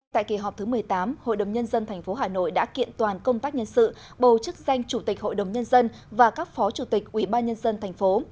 tại kỳ họp thứ một mươi tám hội đồng nhân dân thành phố hà nội đã kiện toàn công tác nhân sự bầu chức danh chủ tịch hội đồng nhân dân và các phó chủ tịch ubnd thành phố